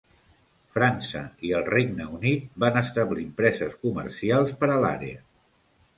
França i el Regne Unit van establir empreses comercials per a l'àrea.